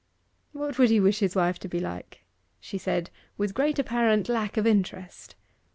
'What would he wish his wife to be like?' she said, with great apparent lack of interest.